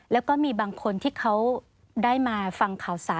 แล้วก็มีบางคนที่เขาได้มาฟังข่าวสาร